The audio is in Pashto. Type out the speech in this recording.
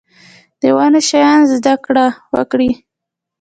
د نوي شیانو زده کړه وکړئ